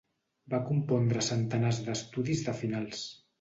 Va compondre centenars d'estudis de finals.